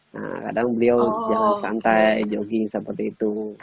nah kadang beliau jangan santai jogging seperti itu